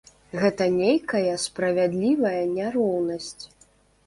Гэта нейкая справядлівая няроўнасць.